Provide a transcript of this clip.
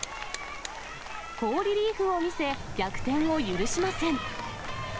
好リリーフを見せ、逆転を許しません。